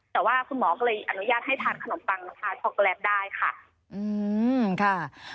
แต่ว่าคุณหมอก็เลยอนุญาตให้ทานขนมปังชาช็อกโกแลตได้ค่ะอืมค่ะ